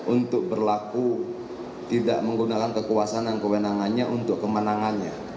untuk berlaku tidak menggunakan kekuasaan dan kewenangannya untuk kemenangannya